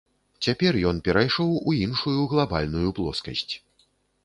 Цяпер ён перайшоў у іншую, глабальную плоскасць.